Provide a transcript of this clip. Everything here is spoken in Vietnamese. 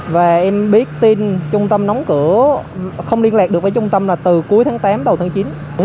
và em biết tin trung tâm đóng cửa không liên lạc được với trung tâm là từ cuối tháng tám đầu tháng chín